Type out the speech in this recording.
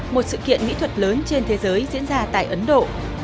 một sự kiện mỹ thuật lớn trên thế giới diễn ra tại ấn độ